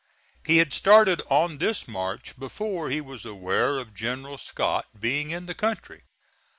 He had started on this march before he was aware of General Scott being in the country.